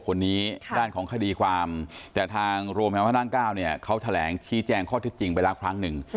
คนนี้ด้านของคดีความแต่ทางโรงพยาบาลพระนั่งเก้าเนี่ยเขาแถลงชี้แจงข้อเท็จจริงไปแล้วครั้งหนึ่ง